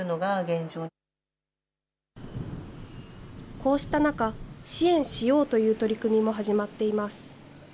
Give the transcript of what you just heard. こうした中、支援しようという取り組みも始まっています。